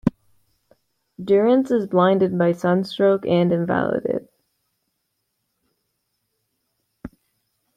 Durrance is blinded by sunstroke and invalided.